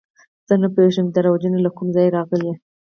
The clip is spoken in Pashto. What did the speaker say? زه نه پوهېږم چې دا رواجونه له کومه ځایه راغلي.